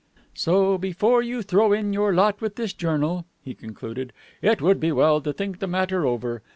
"So, before you throw in your lot with this journal," he concluded, "it would be well to think the matter over.